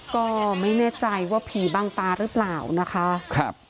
ก็ไม่แน่ใจว่าผีบางตาหรือเปล่านะคะครับ